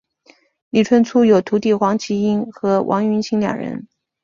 李春初有徒弟黄麒英和王云清两人。